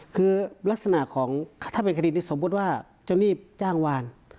คือลักษณะของถ้าเป็นคดีนี้สมมุติว่าเจ้าหนี้จ้างวาน